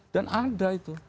dan ada itu